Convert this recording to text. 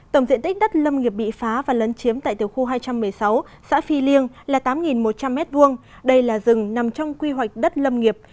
tổng diện tích đất lâm nghiệp bị phá và lấn chiếm tại tiểu khu hai trăm một mươi sáu xã phi liêng là tám một trăm linh m hai đây là rừng nằm trong quy hoạch đất lâm nghiệp